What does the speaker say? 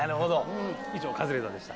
以上カズレーザーでした。